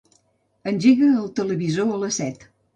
Engega el televisor a les set.